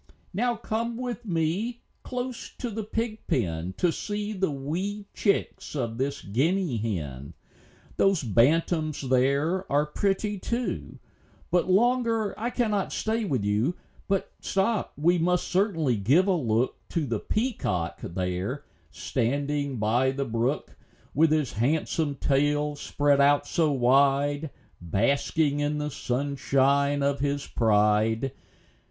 Now come with me close to the pig pen, To see the wee chicks of this guinea hen ; 2 14 THE LIFE AND ADVENTURES OF Those bantams there are pretty, too; But longer I cannot stay with you. But stop! we must certainly give a look To the peacock there, standing by the brook, With his handsome tail spread out so wide, Basking in the sunshine of his pride.